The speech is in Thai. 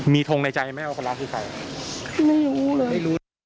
มีทงในใจแม่เอาคนร้ายคือใครไม่รู้เลย